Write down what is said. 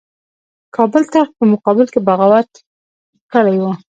کابل تخت په مقابل کې بغاوت کړی وو.